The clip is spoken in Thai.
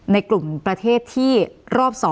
ในกลุ่มประเทศที่รอบ๒